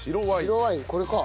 白ワインこれか。